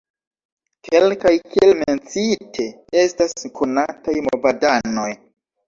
Kelkaj, kiel menciite, estas konataj movadanoj.